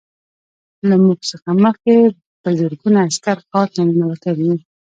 له موږ څخه مخکې په زرګونه عسکر ښار ته ننوتلي وو